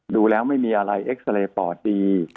ดูแล้วไม่มีอะไรเอ็กซาเรย์ปอดดี